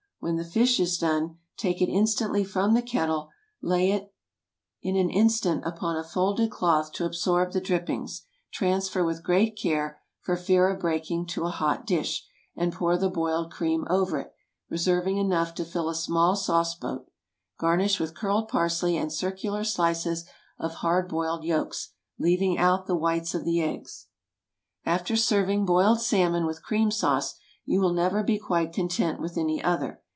When the fish is done, take it instantly from the kettle, lay it an instant upon a folded cloth to absorb the drippings; transfer with great care, for fear of breaking, to a hot dish, and pour the boiled cream over it, reserving enough to fill a small sauce boat. Garnish with curled parsley and circular slices of hard boiled yolks—leaving out the whites of the eggs. After serving boiled salmon with cream sauce, you will never be quite content with any other.